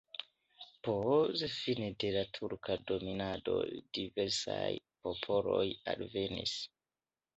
Post fine de la turka dominado diversaj popoloj alvenis.